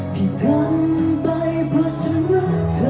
ที่ทำไปเพราะฉันรักเธอ